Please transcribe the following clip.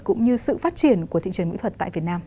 cũng như sự phát triển của thị trường mỹ thuật tại việt nam